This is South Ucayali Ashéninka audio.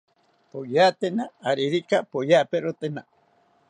Poyatena aririka poyaperotena